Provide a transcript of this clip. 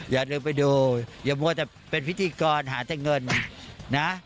อย่าลืมไปดูอย่ามัวแต่เป็นพิธีกรหาแต่เงินนะ